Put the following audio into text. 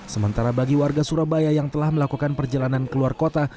sementara bagi warga surabaya yang telah melakukan perjalanan keluar kota